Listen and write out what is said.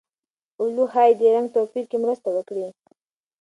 اولو ښايي د رنګ توپیر کې مرسته وکړي.